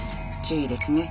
注意ですね。